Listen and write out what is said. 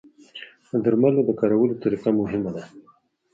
د درملو د کارولو طریقه مهمه ده.